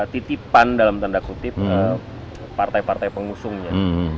titipan dalam tanda kutip partai partai pengusungnya